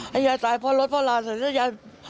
ให้ยายตายเพราะรถพ่อลาเสร็จแล้วยาย